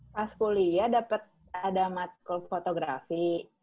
pas kuliah dapet ada maklum fotografi